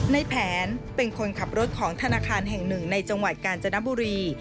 ในแผนเป็นคนขับรถของธนาคารแห่งหนึ่งในจังหวัดกาญจนบุรี